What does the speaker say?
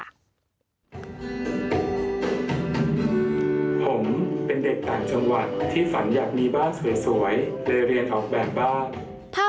ผมเป็นเด็กต่างจังหวัดที่ฝันอยากมีบ้านสวยเลยเรียนออกแบบบ้าน